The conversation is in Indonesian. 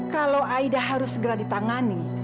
kalau aida harus segera ditangani